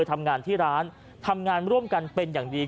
ทำงานที่ร้านทำงานร่วมกันเป็นอย่างดี